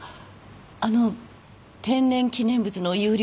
あの天然記念物の遊龍